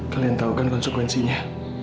kalian tahu kan konsekuensinya